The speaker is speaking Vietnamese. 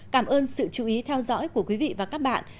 cảm ơn sự chú ý theo dõi của quý vị và các bạn